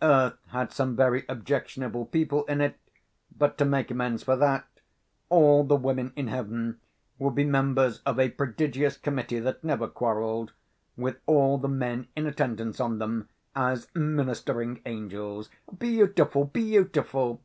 Earth had some very objectionable people in it; but, to make amends for that, all the women in heaven would be members of a prodigious committee that never quarrelled, with all the men in attendance on them as ministering angels. Beautiful! beautiful!